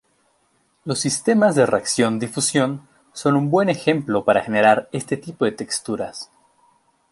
Los sistemas de reacción-difusión son un buen ejemplo para generar este tipo de texturas.